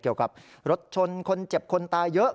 เกี่ยวกับรถชนคนเจ็บคนตายเยอะ